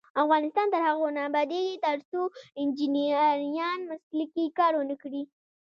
افغانستان تر هغو نه ابادیږي، ترڅو انجنیران مسلکي کار ونکړي.